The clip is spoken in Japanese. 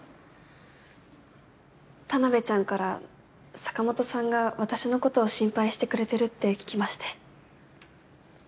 田辺ちゃんから坂本さんが私のことを心配してくれてるって聞きまして。